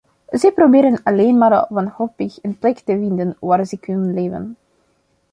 Zij proberen alleen maar wanhopig een plek te vinden waar ze kunnen leven.